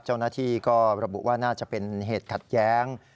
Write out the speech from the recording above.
เจ้าหน้าที่ก็ระบุว่าน่าจะเป็นเหตุขัดแย้ง